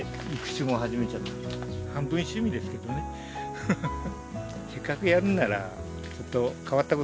フフフフ。